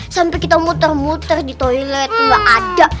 sampai kita muter muter di toilet nggak ada